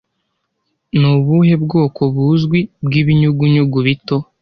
Ni ubuhe bwoko buzwi bw' Ibinyugunyugu bito